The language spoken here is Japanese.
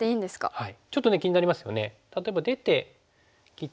はい。